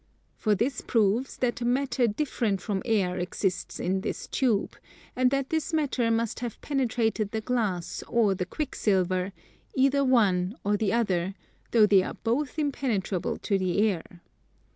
For this proves that a matter different from air exists in this tube, and that this matter must have penetrated the glass or the quicksilver, either one or the other, though they are both impenetrable to the air.